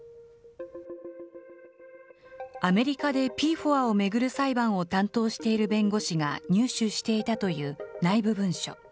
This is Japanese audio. アメリカでＰＦＯＡを巡る裁判を担当している弁護士が入手していたという内部文書。